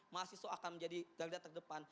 mahasiswa akan menjadi garda terdepan